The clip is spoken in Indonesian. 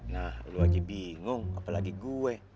nah lo aja bingung apalagi gue